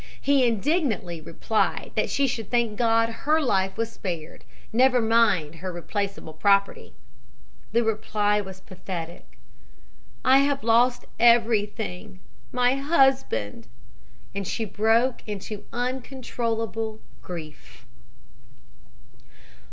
He indignantly replied that she should thank God her life was spared, never mind her replaceable property. The reply was pathetic: "'I have lost everything my husband,' and she broke into uncontrollable grief.